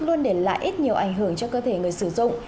luôn để lại ít nhiều ảnh hưởng cho cơ thể người sử dụng